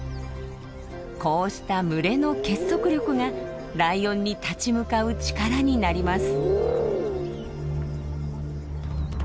こうした群れの結束力がライオンに立ち向かう力になります。